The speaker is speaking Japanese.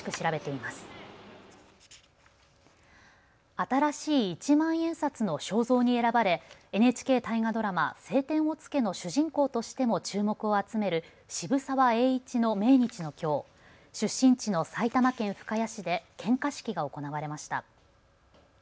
新しい一万円札の肖像に選ばれＮＨＫ大河ドラマ、青天を衝けの主人公としても注目を集める渋沢栄一の命日のきょう、出身地の埼玉県深谷市で献花式が行われました。